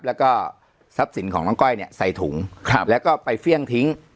แล้วก็ทรัพย์สินของน้องก้อยเนี่ยใส่ถุงแล้วก็ไปเฟี่ยงทิ้ง